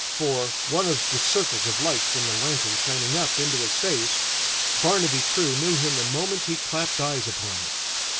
For, one of the circles of light from the lantern shining up into his face, Barnaby True knew him the moment he clapped eyes upon him.